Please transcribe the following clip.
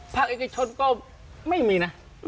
ภาคเอกชนก็ไม่มีนะ